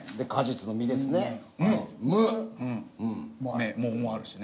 「目」「藻」もあるしね。